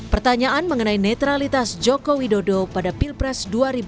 pertanyaan mengenai netralitas joko widodo pada pilpres dua ribu dua puluh